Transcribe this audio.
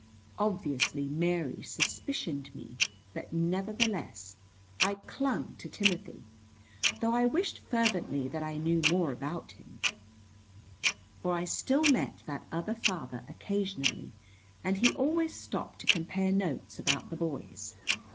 Obviously Mary suspicioned me, but nevertheless, I clung to Timothy, though I wished fervently that I knew more about him; for I still met that other father occasionally, and he always stopped to compare notes about the boys.